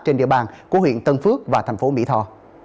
trên địa bàn của huyện tân phước và thành phố mỹ tho